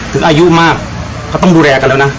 อายุมากก็ต้องดูแลกันแล้วนะ